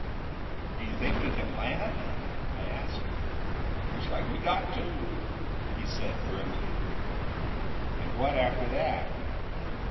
"Do you think we can land?" I asked. "Looks like we've got to," he said, grimly. "And what after that?"